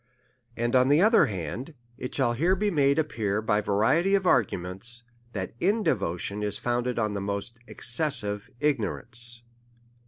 And, on the other hand, it shall here be made ap pear by variety of arguments, that indevotion is found ed in the most excessive ignorance.